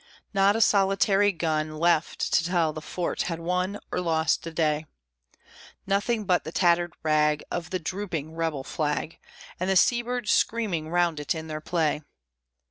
Not a solitary gun Left to tell the fort had won Or lost the day! Nothing but the tattered rag Of the drooping rebel flag, And the sea birds screaming round it in their play.